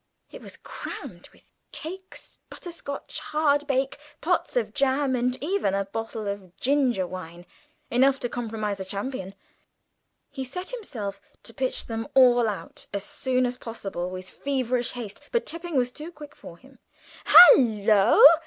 It was crammed with cakes, butterscotch, hardbake, pots of jam, and even a bottle of ginger wine enough to compromise a chameleon! He set himself to pitch them all out as soon as possible with feverish haste, but Tipping was too quick for him. "Hallo!"